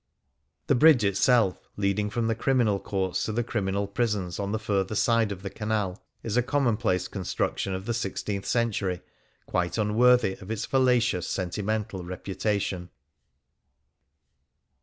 " The bridge itself, leading from the Criminal Courts to the Criminal Prisons on the further side of the Canal, is a commonplace construction of the sixteenth century, quite unworthy of its fallacious sentimental reputation.